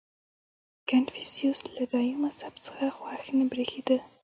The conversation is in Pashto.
• کنفوسیوس له دایو مذهب څخه خوښ نه برېښېده.